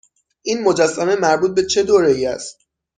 این مجسمه مربوط به چه دوره ای است؟